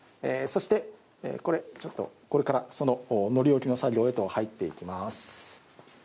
そして、これからその糊置きの作業へと入っていきます。